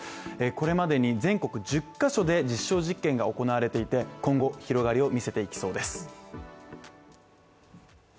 これまでに全国１０ヶ所で実証実験が行われていて、今後広がりを見せていきそうです